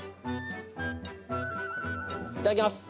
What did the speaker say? いただきます。